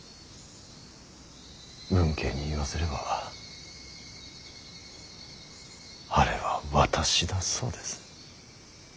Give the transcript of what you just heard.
運慶に言わせればあれは私だそうです。